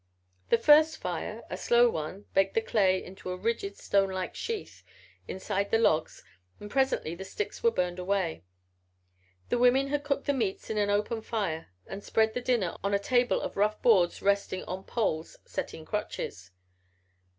The first fire a slow one baked the clay into a rigid stonelike sheath inside the logs and presently the sticks were burned away. The women had cooked the meats by an open fire and spread the dinner on a table of rough boards resting on poles set in crotches.